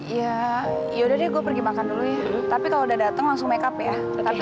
ya ya udah deh gue pergi makan dulu ya tapi kalau udah dateng langsung makeup ya tapi